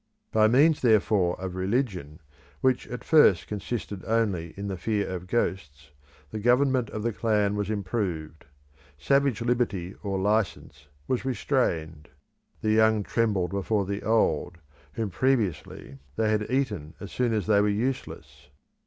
By means therefore of religion, which at first consisted only in the fear of ghosts, the government of the clan was improved; savage liberty or licence was restrained; the young trembled before the old, whom previously they had eaten as soon as they were useless.